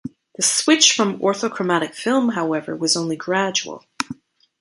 The switch from orthochromatic film, however, was only gradual.